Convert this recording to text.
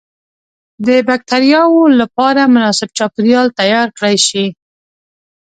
د بکترياوو لپاره مناسب چاپیریال تیار کړای شي.